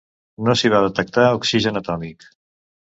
No s’hi va detectar oxigen atòmic.